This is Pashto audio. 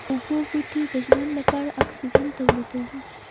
اوبو بوټي د ژوند لپاره اکسيجن توليدوي